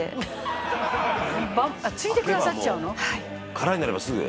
空になればすぐ？